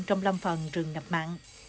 trong lâm phần rừng nập mặn